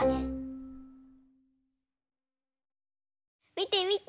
みてみて。